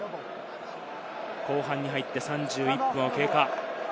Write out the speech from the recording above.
後半に入って３１分を経過。